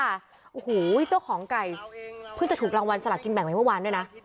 โอ้โหเจ้าของไก่เพิ่งจะถูกรางวัลสละกินแบ่งไปเมื่อวานด้วยนะ